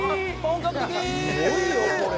すごいよこれ。